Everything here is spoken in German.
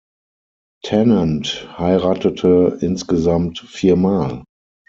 Tennant heiratete insgesamt viermal.